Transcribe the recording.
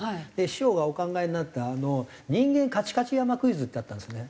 師匠がお考えになった人間かちかち山クイズってあったんですね。